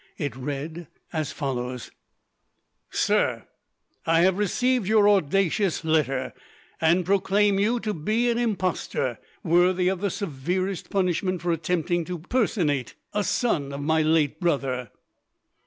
It read as follows: Sir: I have received your audacious letter, and proclaim you to be an impostor, worthy of the severest punishment for attempting to personate a son of my late brother.